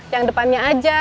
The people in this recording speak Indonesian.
yang depannya aja